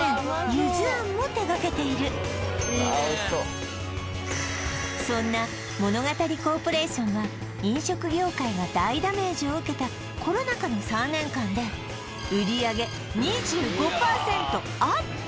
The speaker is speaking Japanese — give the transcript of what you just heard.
ゆず庵も手がけているそんな物語コーポレーションは飲食業界が大ダメージを受けたコロナ禍の３年間で売上２５％アップ！